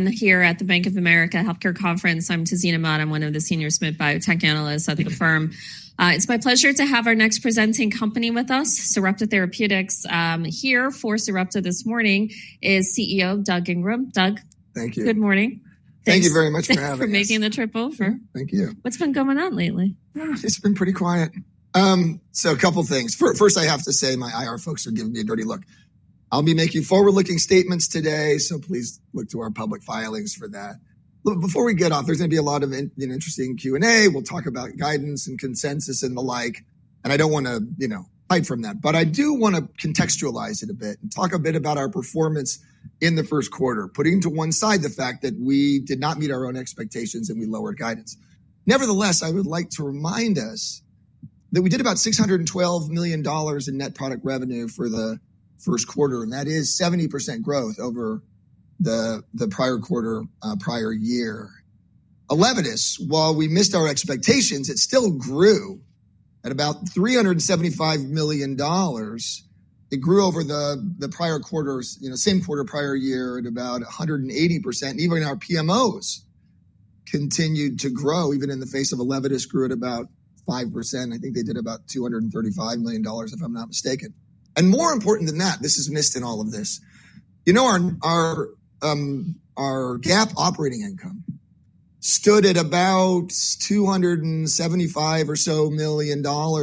Here at the Bank of America Healthcare Conference, I'm Tazeen Ahmad. I'm one of the senior SMID Biotech Analysts at the firm. It's my pleasure to have our next presenting company with us, Sarepta Therapeutics. Here for Sarepta this morning is CEO Doug Ingram. Doug. Thank you. Good morning. Thank you very much for having us. Thanks for making the trip over. Thank you. What's been going on lately? It's been pretty quiet. So a couple of things. First, I have to say my IR folks are giving me a dirty look. I'll be making forward-looking statements today, so please look to our public filings for that. Before we get off, there's going to be a lot of interesting Q&A. We'll talk about guidance and consensus and the like. And I don't want to hide from that, but I do want to contextualize it a bit and talk a bit about our performance in the first quarter, putting to one side the fact that we did not meet our own expectations and we lowered guidance. Nevertheless, I would like to remind us that we did about $612 million in net product revenue for the first quarter, and that is 70% growth over the prior quarter, prior year. ELEVIDYS, while we missed our expectations, it still grew at about $375 million. It grew over the prior quarter, same quarter, prior year at about 180%. And even our PMOs continued to grow, even in the face of ELEVIDYS, grew at about 5%. I think they did about $235 million, if I'm not mistaken. And more important than that, this is missed in all of this. You know, our GAAP operating income stood at about $275 or so million for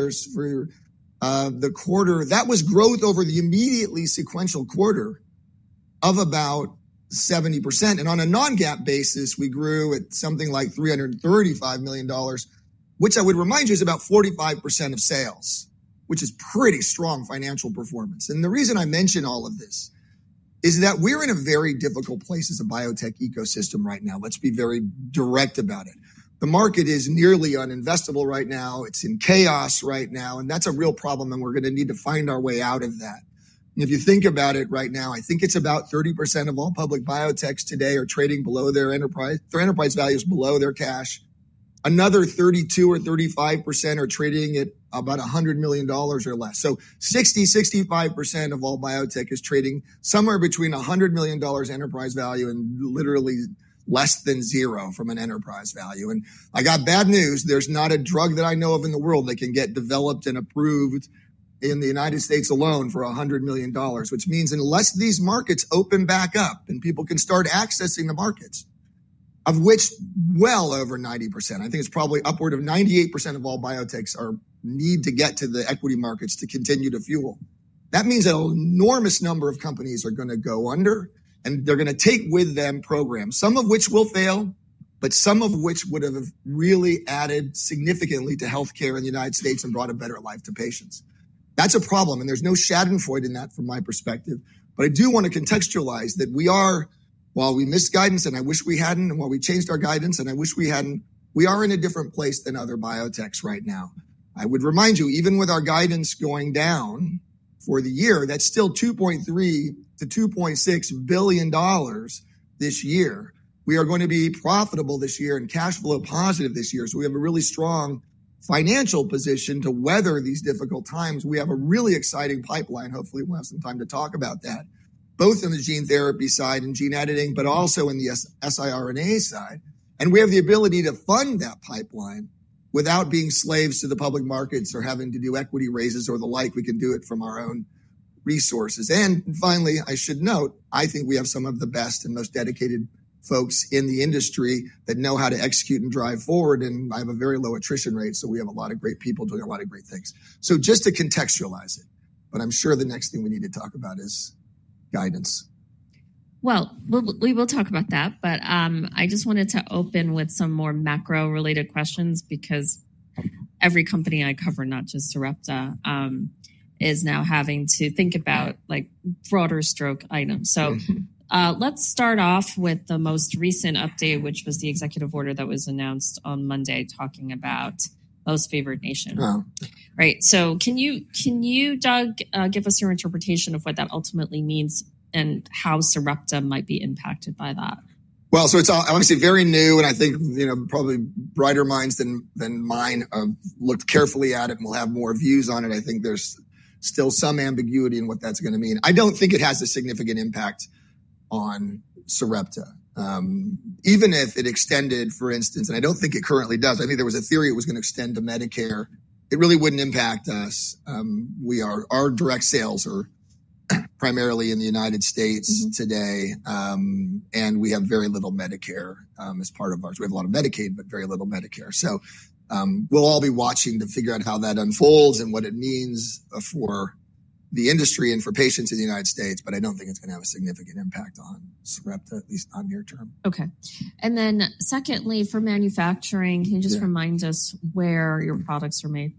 the quarter. That was growth over the immediately sequential quarter of about 70%. And on a non-GAAP basis, we grew at something like $335 million, which I would remind you is about 45% of sales, which is pretty strong financial performance. And the reason I mention all of this is that we're in a very difficult place as a biotech ecosystem right now. Let's be very direct about it. The market is nearly uninvestable right now. It's in chaos right now. That's a real problem. We're going to need to find our way out of that. If you think about it right now, I think it's about 30% of all public biotechs today are trading below their enterprise, their enterprise values below their cash. Another 32% or 35% are trading at about $100 million or less. So 60%-65% of all biotech is trading somewhere between $100 million enterprise value and literally less than zero from an enterprise value. I got bad news. There's not a drug that I know of in the world that can get developed and approved in the United States alone for $100 million, which means unless these markets open back up and people can start accessing the markets, of which well over 90%, I think it's probably upward of 98% of all biotechs need to get to the equity markets to continue to fuel. That means an enormous number of companies are going to go under, and they're going to take with them programs, some of which will fail, but some of which would have really added significantly to healthcare in the United States and brought a better life to patients. That's a problem. There's no shadow for it in that, from my perspective. I do want to contextualize that we are, while we missed guidance, and I wish we hadn't, and while we changed our guidance, and I wish we hadn't, we are in a different place than other biotechs right now. I would remind you, even with our guidance going down for the year, that's still $2.3 billion-$2.6 billion this year. We are going to be profitable this year and cash flow positive this year. We have a really strong financial position to weather these difficult times. We have a really exciting pipeline. Hopefully, we'll have some time to talk about that, both in the gene therapy side and gene editing, but also in the siRNA side. We have the ability to fund that pipeline without being slaves to the public markets or having to do equity raises or the like. We can do it from our own resources. Finally, I should note, I think we have some of the best and most dedicated folks in the industry that know how to execute and drive forward. I have a very low attrition rate, so we have a lot of great people doing a lot of great things. Just to contextualize it, but I am sure the next thing we need to talk about is guidance. I just wanted to open with some more macro-related questions because every company I cover, not just Sarepta, is now having to think about broader stroke items. Let's start off with the most recent update, which was the executive order that was announced on Monday, talking about most favored nation. Right. Can you, Doug, give us your interpretation of what that ultimately means and how Sarepta might be impacted by that? It is obviously very new, and I think probably brighter minds than mine have looked carefully at it and will have more views on it. I think there is still some ambiguity in what that is going to mean. I do not think it has a significant impact on Sarepta, even if it extended, for instance, and I do not think it currently does. I think there was a theory it was going to extend to Medicare. It really would not impact us. Our direct sales are primarily in the United States today, and we have very little Medicare as part of ours. We have a lot of Medicaid, but very little Medicare. We will all be watching to figure out how that unfolds and what it means for the industry and for patients in the United States. I don't think it's going to have a significant impact on Sarepta, at least on near term. Okay. And then secondly, for manufacturing, can you just remind us where your products are made?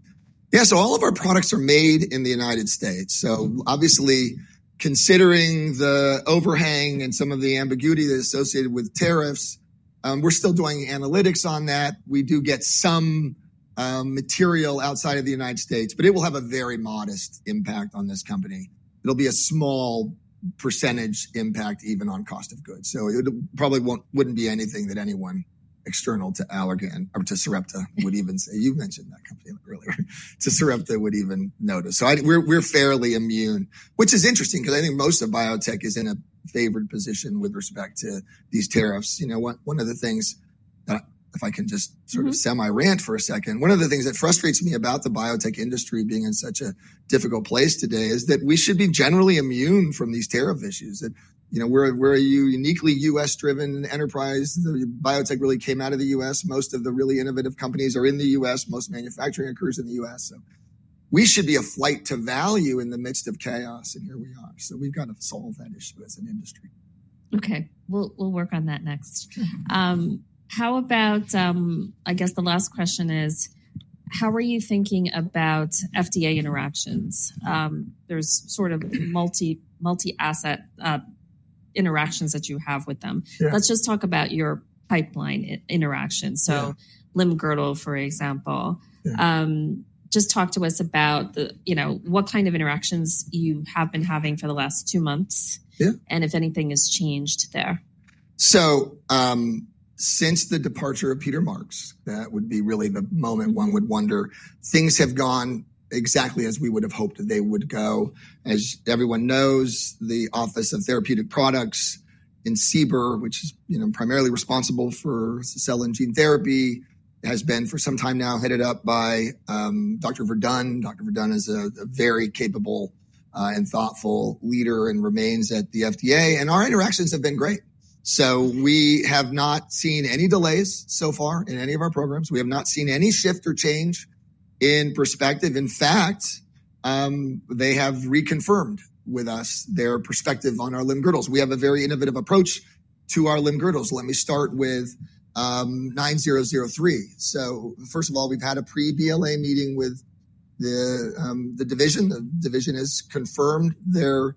Yeah. All of our products are made in the United States. Obviously, considering the overhang and some of the ambiguity that's associated with tariffs, we're still doing analytics on that. We do get some material outside of the United States, but it will have a very modest impact on this company. It'll be a small percentage impact even on cost of goods. It probably would not be anything that anyone external to Allergan or to Sarepta would even say. You mentioned that company earlier. To Sarepta would even notice. We're fairly immune, which is interesting because I think most of biotech is in a favored position with respect to these tariffs. You know, one of the things that, if I can just sort of semi-rant for a second, one of the things that frustrates me about the biotech industry being in such a difficult place today is that we should be generally immune from these tariff issues. We're a uniquely U.S.-driven enterprise. Biotech really came out of the U.S. Most of the really innovative companies are in the U.S. Most manufacturing occurs in the U.S. We should be a flight to value in the midst of chaos, and here we are. We have to solve that issue as an industry. Okay. We'll work on that next. How about, I guess the last question is, how are you thinking about FDA interactions? There's sort of multi-asset interactions that you have with them. Let's just talk about your pipeline interactions. So Limb Girdle, for example, just talk to us about what kind of interactions you have been having for the last two months and if anything has changed there. Since the departure of Peter Marks, that would be really the moment one would wonder, things have gone exactly as we would have hoped they would go. As everyone knows, the Office of Therapeutic Products in CBER, which is primarily responsible for cell and gene therapy, has been for some time now headed up by Dr. Verdun. Dr. Verdun is a very capable and thoughtful leader and remains at the FDA. Our interactions have been great. We have not seen any delays so far in any of our programs. We have not seen any shift or change in perspective. In fact, they have reconfirmed with us their perspective on our Limb Girdles. We have a very innovative approach to our Limb Girdles. Let me start with 9003. First of all, we've had a pre-BLA meeting with the division. The division has confirmed their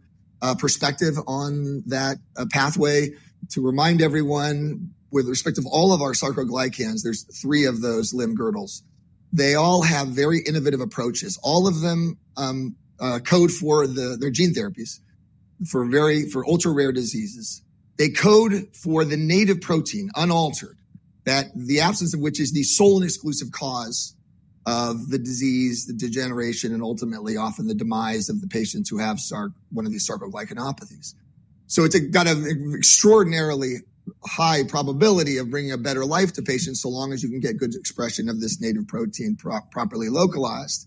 perspective on that pathway. To remind everyone, with respect to all of our sarcoglycans, there's three of those limb-girdles. They all have very innovative approaches. All of them code for their gene therapies for ultra-rare diseases. They code for the native protein, unaltered, the absence of which is the sole and exclusive cause of the disease, the degeneration, and ultimately, often the demise of the patients who have one of these sarcoglycanopathies. It has an extraordinarily high probability of bringing a better life to patients so long as you can get good expression of this native protein properly localized.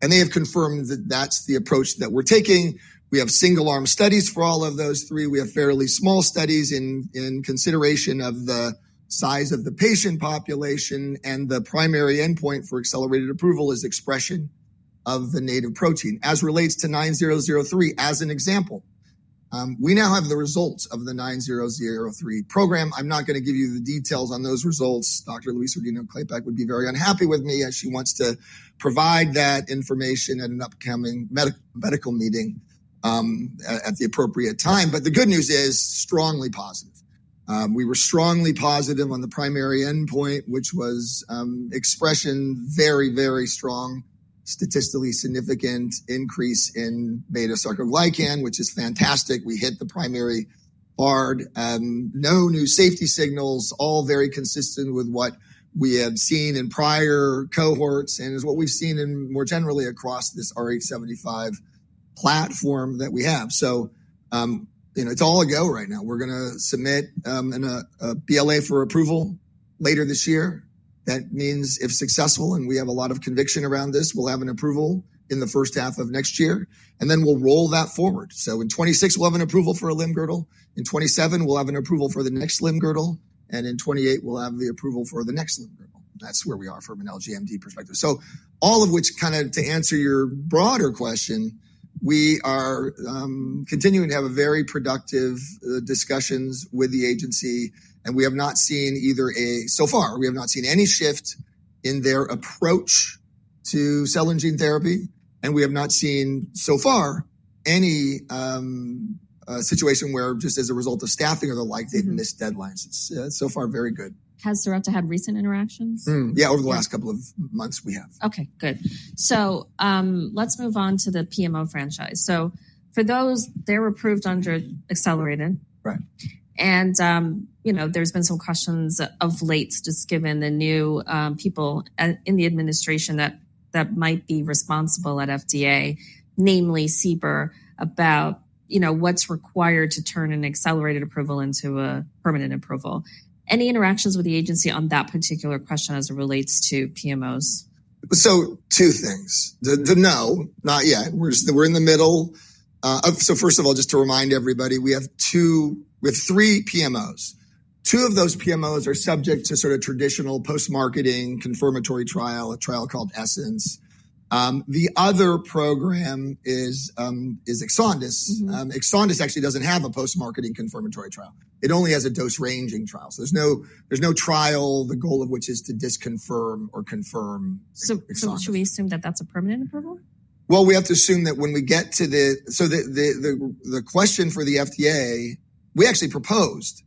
They have confirmed that that's the approach that we're taking. We have single-arm studies for all of those three. We have fairly small studies in consideration of the size of the patient population. The primary endpoint for accelerated approval is expression of the native protein as relates to 9003 as an example. We now have the results of the 9003 program. I'm not going to give you the details on those results. Dr. Louise Rodino-Klapac would be very unhappy with me, as she wants to provide that information at an upcoming medical meeting at the appropriate time. The good news is strongly positive. We were strongly positive on the primary endpoint, which was expression, very, very strong, statistically significant increase in beta-sarcoglycan, which is fantastic. We hit the primary bar. No new safety signals, all very consistent with what we have seen in prior cohorts and is what we've seen more generally across this RH75 platform that we have. It is all a go right now. We're going to submit a BLA for approval later this year. That means if successful, and we have a lot of conviction around this, we'll have an approval in the first half of next year, and then we'll roll that forward. In 2026, we'll have an approval for a Limb Girdle. In 2027, we'll have an approval for the next Limb Girdle. In 2028, we'll have the approval for the next Limb Girdle. That is where we are from an LGMD perspective. All of which, kind of to answer your broader question, we are continuing to have very productive discussions with the agency. We have not seen either a, so far, we have not seen any shift in their approach to cell and gene therapy. We have not seen so far any situation where, just as a result of staffing or the like, they've missed deadlines. So far, very good. Has Sarepta had recent interactions? Yeah, over the last couple of months, we have. Okay, good. Let's move on to the PMO franchise. For those, they're approved under accelerated. There's been some questions of late, just given the new people in the administration that might be responsible at FDA, namely CBER, about what's required to turn an accelerated approval into a permanent approval. Any interactions with the agency on that particular question as it relates to PMOs? Two things. No, not yet. We're in the middle. First of all, just to remind everybody, we have three PMOs. Two of those PMOs are subject to sort of traditional post-marketing confirmatory trial, a trial called Essence. The other program is Exondys 51. Exondys 51 actually doesn't have a post-marketing confirmatory trial. It only has a dose-ranging trial. There's no trial, the goal of which is to disconfirm or confirm Exondys 51. Should we assume that that's a permanent approval? We have to assume that when we get to the, so the question for the FDA, we actually proposed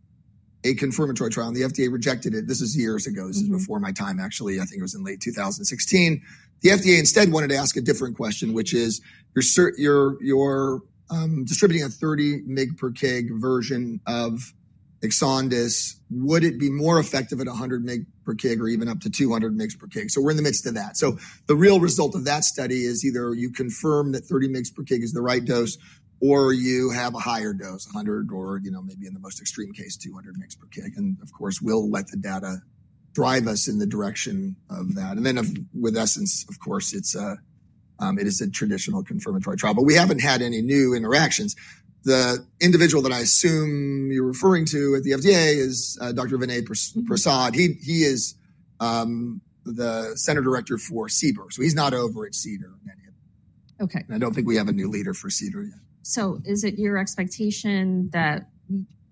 a confirmatory trial, and the FDA rejected it. This is years ago. This is before my time, actually. I think it was in late 2016. The FDA instead wanted to ask a different question, which is, you're distributing a 30 mg per kg version of Exondys 51. Would it be more effective at 100 mg per kg or even up to 200 mg per kg? We're in the midst of that. The real result of that study is either you confirm that 30 mg per kg is the right dose, or you have a higher dose, 100 or maybe in the most extreme case, 200 mg per kg. Of course, we'll let the data drive us in the direction of that. With Essence, it is a traditional confirmatory trial. We have not had any new interactions. The individual that I assume you are referring to at the FDA is Dr. Vinay Prasad. He is the Center Director for CBER. He is not over at CDER in any of them. I do not think we have a new leader for CDER yet. Is it your expectation that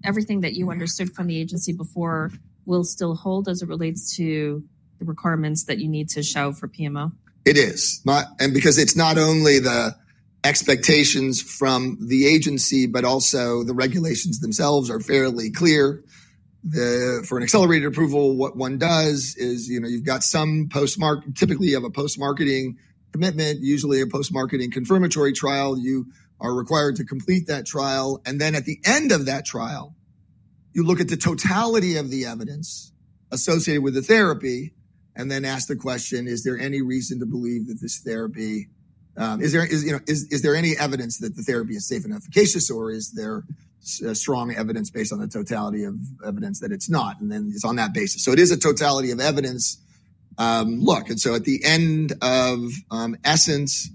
everything that you understood from the agency before will still hold as it relates to the requirements that you need to show for PMO? It is. Because it's not only the expectations from the agency, but also the regulations themselves are fairly clear. For an accelerated approval, what one does is you've got some post-market, typically you have a post-marketing commitment, usually a post-marketing confirmatory trial. You are required to complete that trial. At the end of that trial, you look at the totality of the evidence associated with the therapy and then ask the question, is there any reason to believe that this therapy, is there any evidence that the therapy is safe and efficacious, or is there strong evidence based on the totality of evidence that it's not? It is on that basis. It is a totality of evidence look. At the end of Essence,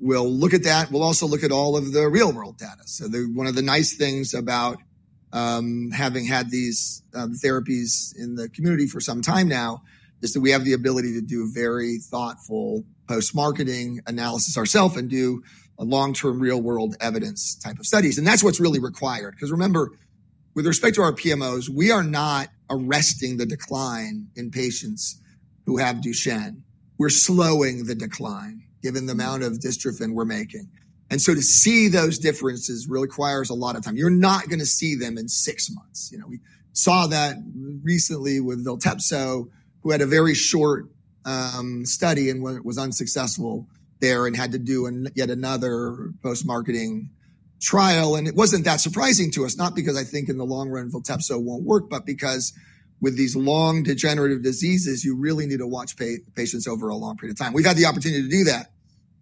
we'll look at that. We'll also look at all of the real-world data. One of the nice things about having had these therapies in the community for some time now is that we have the ability to do very thoughtful post-marketing analysis ourself and do long-term real-world evidence type of studies. That is what is really required. Because remember, with respect to our PMOs, we are not arresting the decline in patients who have Duchenne. We are slowing the decline given the amount of dystrophin we are making. To see those differences requires a lot of time. You are not going to see them in six months. We saw that recently with Viltepso, who had a very short study and was unsuccessful there and had to do yet another post-marketing trial. It was not that surprising to us, not because I think in the long run, Viltepso will not work, but because with these long degenerative diseases, you really need to watch patients over a long period of time. We have had the opportunity to do that,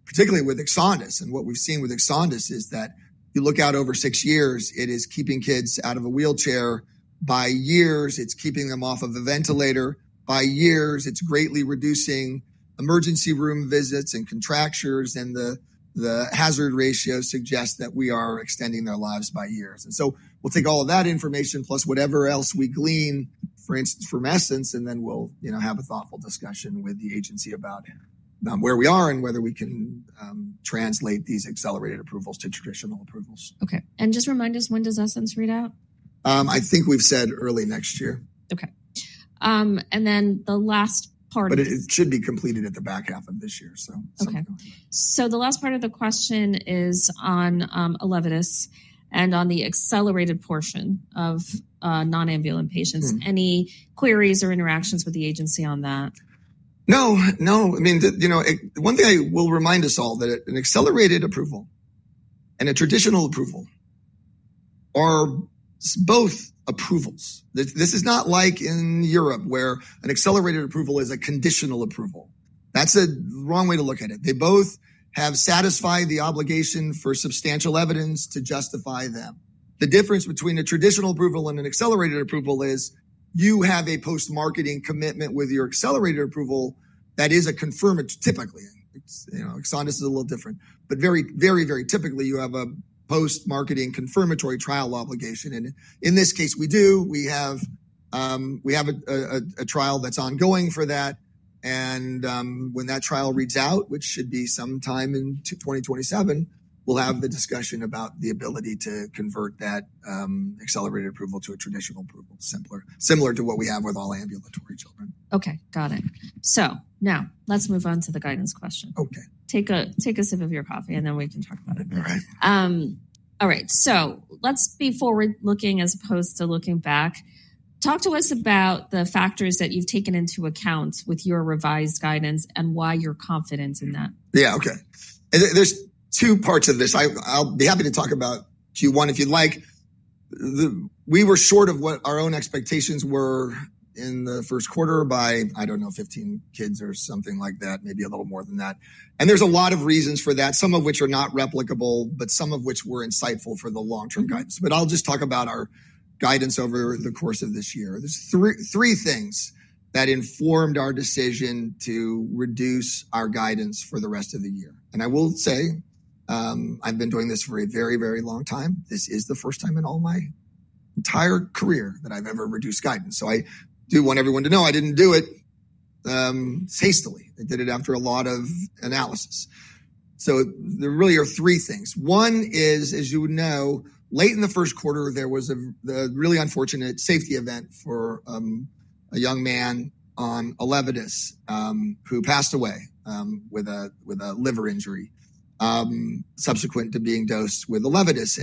particularly with Exondys. What we have seen with Exondys is that you look out over six years, it is keeping kids out of a wheelchair by years. It is keeping them off of a ventilator by years. It is greatly reducing emergency room visits and contractures. The hazard ratio suggests that we are extending their lives by years. We will take all of that information, plus whatever else we glean, for instance, from Essence, and then we will have a thoughtful discussion with the agency about where we are and whether we can translate these accelerated approvals to traditional approvals. Okay. Just remind us, when does Essence read out? I think we've said early next year. Okay. And then the last part. It should be completed at the back half of this year. So it's ongoing. The last part of the question is on ELEVIDYS and on the accelerated portion of non-ambulant patients. Any queries or interactions with the agency on that? No. No. I mean, one thing I will remind us all that an accelerated approval and a traditional approval are both approvals. This is not like in Europe where an accelerated approval is a conditional approval. That's a wrong way to look at it. They both have satisfied the obligation for substantial evidence to justify them. The difference between a traditional approval and an accelerated approval is you have a post-marketing commitment with your accelerated approval that is a confirmatory. Typically, Exondys is a little different, but very, very, very typically, you have a post-marketing confirmatory trial obligation. In this case, we do. We have a trial that's ongoing for that. When that trial reads out, which should be sometime in 2027, we'll have the discussion about the ability to convert that accelerated approval to a traditional approval, similar to what we have with all ambulatory children. Okay. Got it. Now let's move on to the guidance question. Take a sip of your coffee, and then we can talk about it. All right. All right. So let's be forward-looking as opposed to looking back. Talk to us about the factors that you've taken into account with your revised guidance and why you're confident in that. Yeah. Okay. There's two parts of this. I'll be happy to talk about Q1 if you'd like. We were short of what our own expectations were in the first quarter by, I don't know, 15 kids or something like that, maybe a little more than that. There's a lot of reasons for that, some of which are not replicable, but some of which were insightful for the long-term guidance. I'll just talk about our guidance over the course of this year. There's three things that informed our decision to reduce our guidance for the rest of the year. I will say I've been doing this for a very, very long time. This is the first time in all my entire career that I've ever reduced guidance. I do want everyone to know I didn't do it hastily. I did it after a lot of analysis. There really are three things. One is, as you would know, late in the first quarter, there was a really unfortunate safety event for a young man on ELEVIDYS who passed away with a liver injury subsequent to being dosed with ELEVIDYS.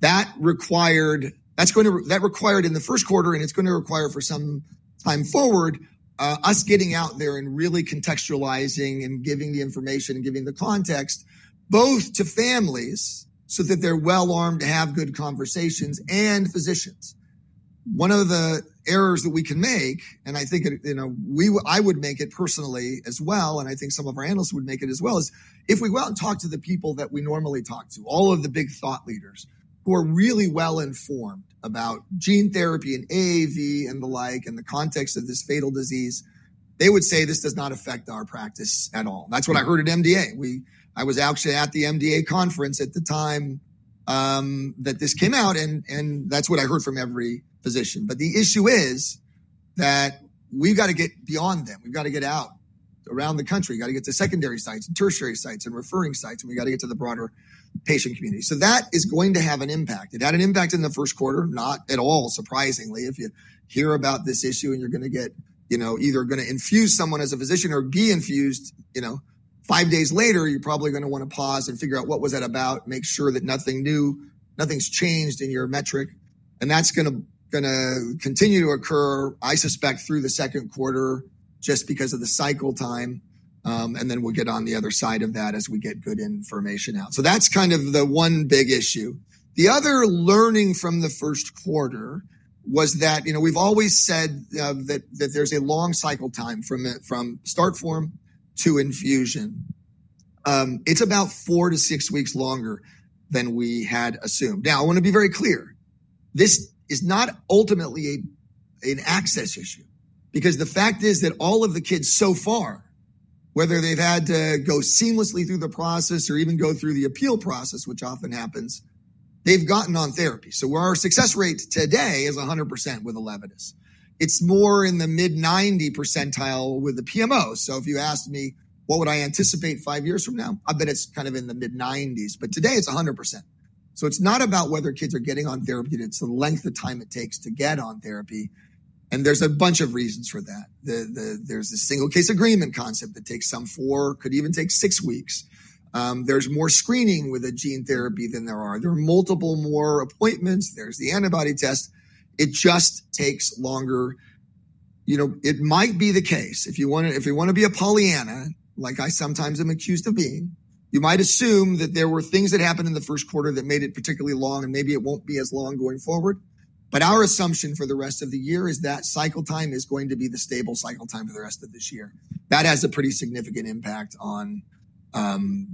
That required in the first quarter, and it is going to require for some time forward, us getting out there and really contextualizing and giving the information and giving the context both to families so that they are well armed to have good conversations and physicians. One of the errors that we can make, and I think I would make it personally as well, and I think some of our analysts would make it as well, is if we go out and talk to the people that we normally talk to, all of the big thought leaders who are really well informed about gene therapy and AAV and the like and the context of this fatal disease, they would say this does not affect our practice at all. That is what I heard at MDA. I was actually at the MDA conference at the time that this came out, and that is what I heard from every physician. The issue is that we have got to get beyond them. We have got to get out around the country. We've got to get to secondary sites and tertiary sites and referring sites, and we've got to get to the broader patient community. That is going to have an impact. It had an impact in the first quarter, not at all surprisingly. If you hear about this issue and you're going to get either going to infuse someone as a physician or be infused five days later, you're probably going to want to pause and figure out what was that about, make sure that nothing's changed in your metric. That is going to continue to occur, I suspect, through the second quarter just because of the cycle time. Then we'll get on the other side of that as we get good information out. That is kind of the one big issue. The other learning from the first quarter was that we've always said that there's a long cycle time from start form to infusion. It's about four to six weeks longer than we had assumed. Now, I want to be very clear. This is not ultimately an access issue because the fact is that all of the kids so far, whether they've had to go seamlessly through the process or even go through the appeal process, which often happens, they've gotten on therapy. Our success rate today is 100% with ELEVIDYS. It's more in the mid-90% percentile with the PMO. If you asked me what would I anticipate five years from now, I bet it's kind of in the mid-90%. Today, it's 100%. It's not about whether kids are getting on therapy. It's the length of time it takes to get on therapy. There is a bunch of reasons for that. There is a single case agreement concept that takes some four, could even take six weeks. There is more screening with a gene therapy than there are. There are multiple more appointments. There is the antibody test. It just takes longer. It might be the case. If you want to be a Pollyanna, like I sometimes am accused of being, you might assume that there were things that happened in the first quarter that made it particularly long, and maybe it will not be as long going forward. Our assumption for the rest of the year is that cycle time is going to be the stable cycle time for the rest of this year. That has a pretty significant impact on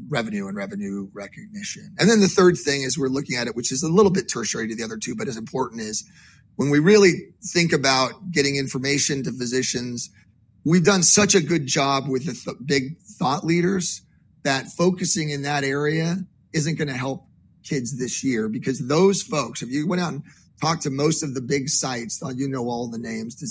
revenue and revenue recognition. The third thing is we're looking at it, which is a little bit tertiary to the other two, but as important is when we really think about getting information to physicians. We've done such a good job with the big thought leaders that focusing in that area is not going to help kids this year because those folks, if you went out and talked to most of the big sites, you know all the names,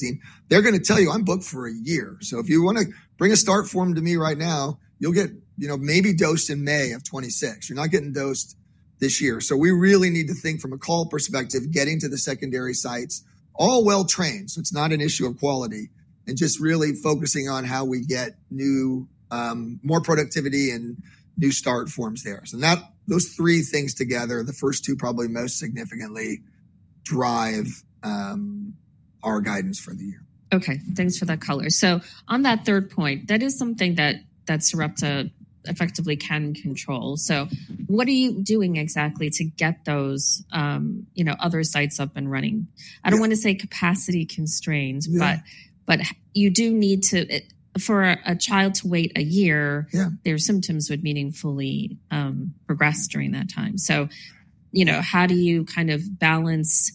they're going to tell you, "I'm booked for a year." If you want to bring a start form to me right now, you'll get maybe dosed in May of 2026. You're not getting dosed this year. We really need to think from a call perspective, getting to the secondary sites, all well-trained. It is not an issue of quality and just really focusing on how we get more productivity and new start forms there. Those three things together, the first two probably most significantly drive our guidance for the year. Okay. Thanks for that color. On that third point, that is something that Sarepta effectively can control. What are you doing exactly to get those other sites up and running? I do not want to say capacity constraints, but you do need to, for a child to wait a year, their symptoms would meaningfully progress during that time. How do you kind of balance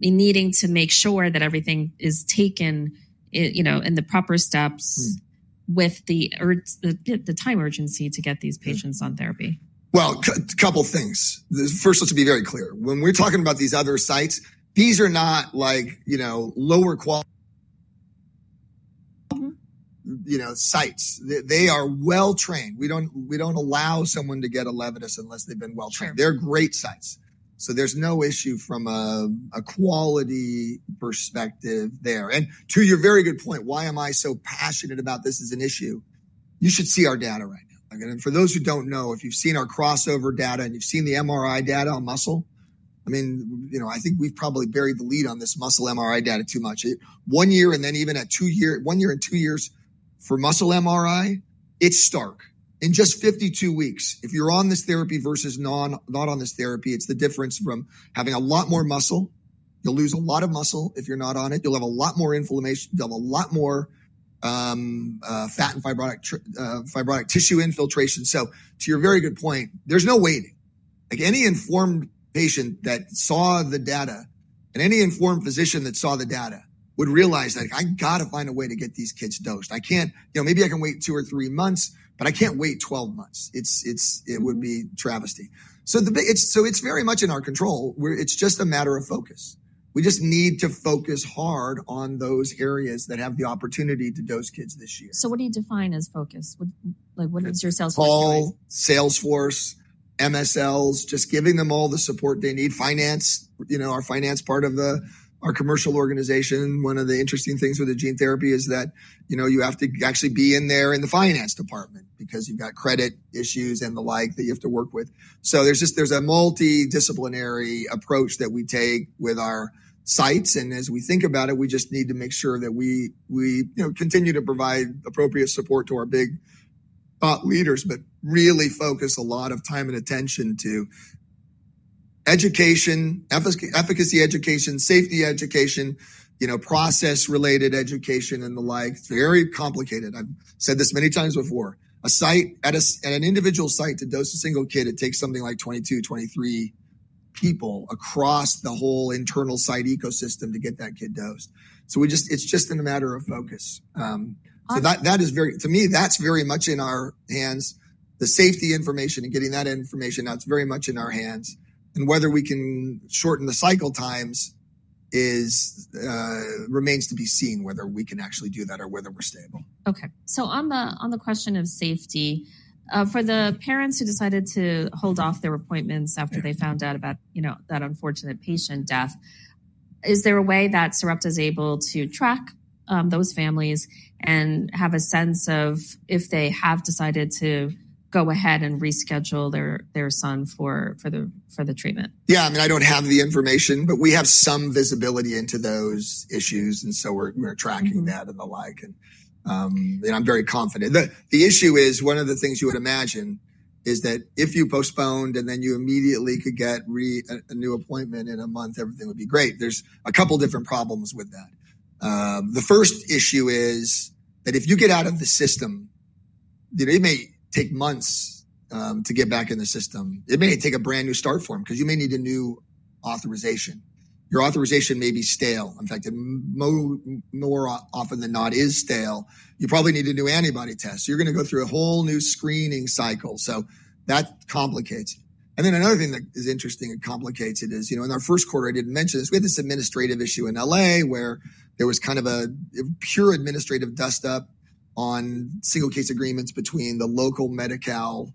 needing to make sure that everything is taken in the proper steps with the time urgency to get these patients on therapy? A couple of things. First, let's be very clear. When we're talking about these other sites, these are not lower-quality sites. They are well-trained. We don't allow someone to get ELEVIDYS unless they've been well-trained. They're great sites. There is no issue from a quality perspective there. To your very good point, why am I so passionate about this as an issue? You should see our data right now. For those who don't know, if you've seen our crossover data and you've seen the MRI data on muscle, I mean, I think we've probably buried the lead on this muscle MRI data too much. One year and then even at one year and two years for muscle MRI, it's stark. In just 52 weeks, if you're on this therapy versus not on this therapy, it's the difference from having a lot more muscle. You'll lose a lot of muscle if you're not on it. You'll have a lot more inflammation. You'll have a lot more fat and fibrotic tissue infiltration. To your very good point, there's no waiting. Any informed patient that saw the data and any informed physician that saw the data would realize that I got to find a way to get these kids dosed. Maybe I can wait two or three months, but I can't wait 12 months. It would be a travesty. It's very much in our control. It's just a matter of focus. We just need to focus hard on those areas that have the opportunity to dose kids this year. What do you define as focus? What is your Salesforce goal? All Salesforce, MSLs, just giving them all the support they need. Our finance part of our commercial organization, one of the interesting things with the gene therapy is that you have to actually be in there in the finance department because you have credit issues and the like that you have to work with. There is a multidisciplinary approach that we take with our sites. As we think about it, we just need to make sure that we continue to provide appropriate support to our big thought leaders, but really focus a lot of time and attention to education, efficacy education, safety education, process-related education, and the like. It is very complicated. I have said this many times before. At an individual site to dose a single kid, it takes something like 22, 23 people across the whole internal site ecosystem to get that kid dosed. It is just a matter of focus. To me, that is very much in our hands. The safety information and getting that information, that is very much in our hands. Whether we can shorten the cycle times remains to be seen, whether we can actually do that or whether we are stable. Okay. On the question of safety, for the parents who decided to hold off their appointments after they found out about that unfortunate patient death, is there a way that Sarepta is able to track those families and have a sense of if they have decided to go ahead and reschedule their son for the treatment? Yeah. I mean, I do not have the information, but we have some visibility into those issues. We are tracking that and the like. I am very confident. The issue is one of the things you would imagine is that if you postponed and then you immediately could get a new appointment in a month, everything would be great. There are a couple of different problems with that. The first issue is that if you get out of the system, it may take months to get back in the system. It may take a brand new start form because you may need a new authorization. Your authorization may be stale. In fact, more often than not, it is stale. You probably need a new antibody test. You are going to go through a whole new screening cycle. That complicates it. Another thing that is interesting and complicates it is in our first quarter, I did not mention this, we had this administrative issue in Los Angeles where there was kind of a pure administrative dust-up on single case agreements between the local Medi-Cal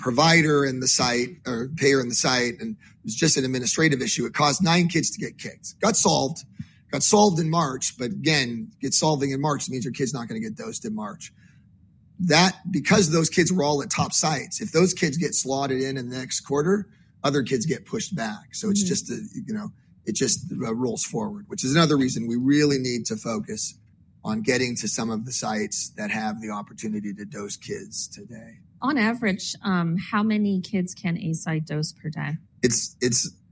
provider and the site or payer in the site. It was just an administrative issue. It caused nine kids to get kicked. Got solved. Got solved in March. Again, getting solved in March means your kid is not going to get dosed in March. Because those kids were all at top sites, if those kids get slotted in in the next quarter, other kids get pushed back. It just rolls forward, which is another reason we really need to focus on getting to some of the sites that have the opportunity to dose kids today. On average, how many kids can a site dose per day? It's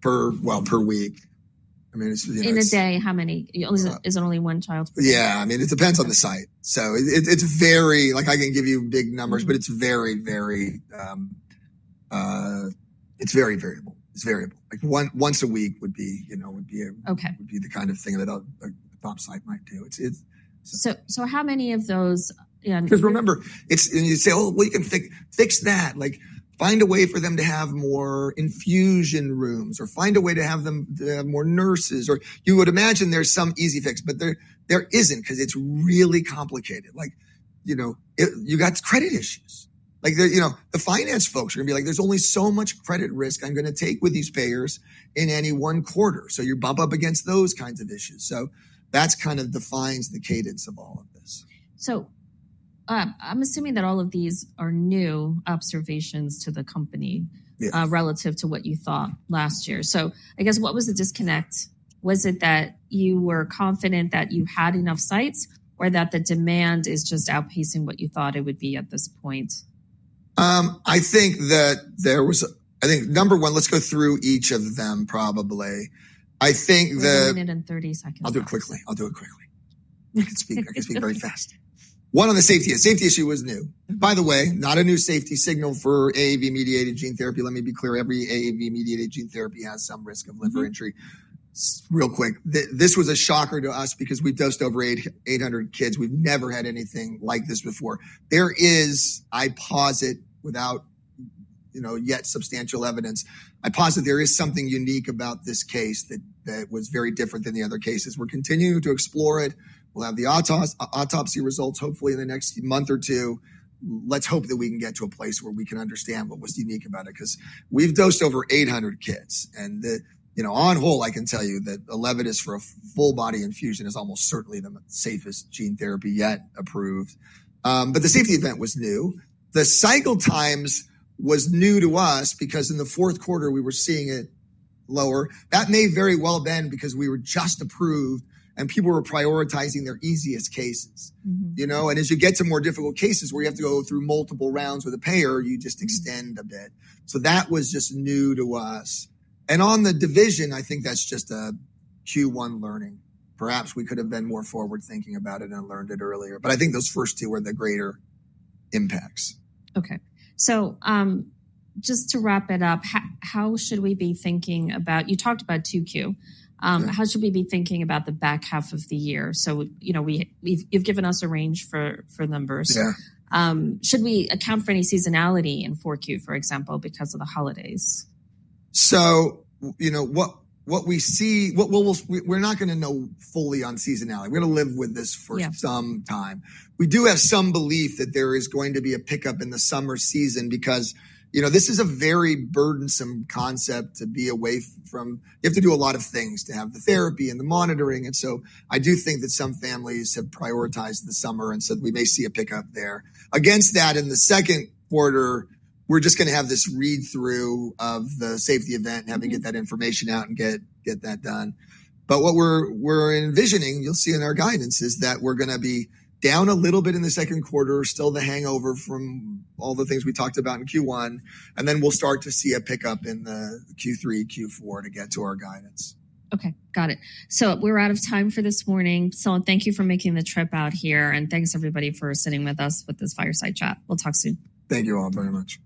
per, per week. I mean, it's. In a day, how many? Is it only one child per day? Yeah. I mean, it depends on the site. It is very, I can give you big numbers, but it is very, very, it is very variable. It is variable. Once a week would be the kind of thing that a top site might do. How many of those? Because remember, you say, "Oh, well, you can fix that." Find a way for them to have more infusion rooms or find a way to have more nurses. Or you would imagine there's some easy fix, but there isn't because it's really complicated. You got credit issues. The finance folks are going to be like, "There's only so much credit risk I'm going to take with these payers in any one quarter." You bump up against those kinds of issues. That kind of defines the cadence of all of this. I'm assuming that all of these are new observations to the company relative to what you thought last year. I guess what was the disconnect? Was it that you were confident that you had enough sites or that the demand is just outpacing what you thought it would be at this point? I think that there was I think number one, let's go through each of them probably. I think that. One minute and 30 seconds. I'll do it quickly. I can speak very fast. One on the safety issue. Safety issue was new. By the way, not a new safety signal for AAV-mediated gene therapy. Let me be clear. Every AAV-mediated gene therapy has some risk of liver injury. Real quick, this was a shocker to us because we've dosed over 800 kids. We've never had anything like this before. There is, I posit without yet substantial evidence, I posit there is something unique about this case that was very different than the other cases. We're continuing to explore it. We'll have the autopsy results hopefully in the next month or two. Let's hope that we can get to a place where we can understand what was unique about it because we've dosed over 800 kids. On whole, I can tell you that ELEVIDYS for a full body infusion is almost certainly the safest gene therapy yet approved. The safety event was new. The cycle times was new to us because in the fourth quarter, we were seeing it lower. That may very well have been because we were just approved and people were prioritizing their easiest cases. As you get to more difficult cases where you have to go through multiple rounds with a payer, you just extend a bit. That was just new to us. On the division, I think that is just a Q1 learning. Perhaps we could have been more forward-thinking about it and learned it earlier. I think those first two were the greater impacts. Okay. So just to wrap it up, how should we be thinking about you talked about 2Q. How should we be thinking about the back half of the year? So you've given us a range for numbers. Should we account for any seasonality in 4Q, for example, because of the holidays? What we see we're not going to know fully on seasonality. We're going to live with this for some time. We do have some belief that there is going to be a pickup in the summer season because this is a very burdensome concept to be away from. You have to do a lot of things to have the therapy and the monitoring. I do think that some families have prioritized the summer and said we may see a pickup there. Against that, in the second quarter, we're just going to have this read-through of the safety event and have them get that information out and get that done. What we're envisioning, you'll see in our guidance, is that we're going to be down a little bit in the second quarter, still the hangover from all the things we talked about in Q1. We'll start to see a pickup in the Q3, Q4 to get to our guidance. Okay. Got it. We're out of time for this morning. Thank you for making the trip out here. Thanks, everybody, for sitting with us with this fireside chat. We'll talk soon. Thank you all very much.